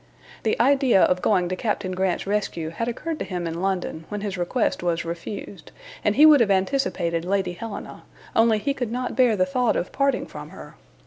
The idea of going to Captain Grant's rescue had occurred to him in London when his request was refused, and he would have anticipated Lady Helena, only he could not bear the thought of parting from her.